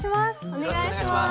お願いします。